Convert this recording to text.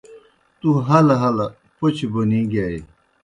تُو ہلہ ہلہ پوْچہ بونی گِیائے۔